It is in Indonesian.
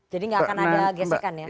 jadi gak akan ada gesekan ya